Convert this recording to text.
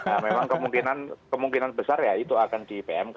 nah memang kemungkinan besar ya itu akan di pmk